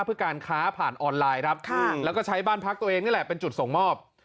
เพื่อการค้าผ่านออนไลน์ครับแล้วก็ใช้บ้านพักตัวเองนี่แหละเป็นจุดส่งมอบ